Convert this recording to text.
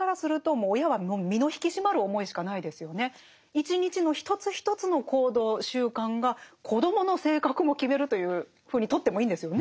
一日の一つ一つの行動習慣が子どもの性格も決めるというふうにとってもいいんですよね。